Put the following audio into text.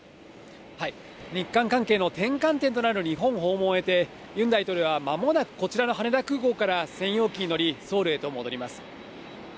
日韓関係の転換点となる日本訪問を終えて、ユン大統領はまもなくこちらの羽田空港から専用機に乗り、ソウルへと戻ります。